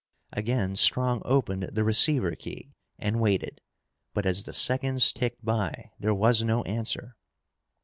Again Strong opened the receiver key and waited, but as the seconds ticked by, there was no answer.